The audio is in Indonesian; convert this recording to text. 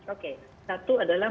oke satu adalah